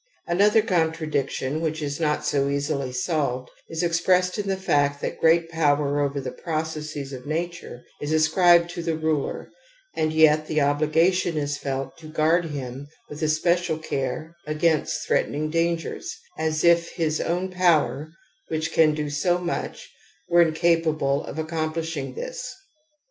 Another contradiction which is not so easily p solved is expressed in the fact that great power I over the processes of nature is ascribed to the I ruler and yet the obligation is felt to guard him L with especial care against threatening dangers, as if his own power, which can do so much, were incapable of accomplishing thi«.